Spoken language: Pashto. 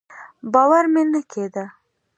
باور مې نه کېده.